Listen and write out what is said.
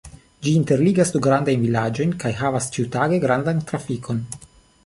Ĝi interligas du grandajn vilaĝojn kaj havas ĉiutage grandan trafikon.